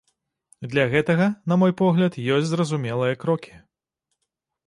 Для гэтага, на мой погляд, ёсць зразумелыя крокі.